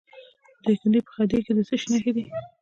د دایکنډي په خدیر کې د څه شي نښې دي؟